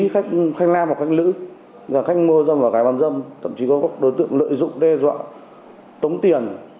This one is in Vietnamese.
khách nam hoặc khách nữ khách mua dâm và gái bán dâm thậm chí có các đối tượng lợi dụng đe dọa tống tiền